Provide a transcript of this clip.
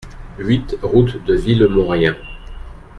huit route de Villemorien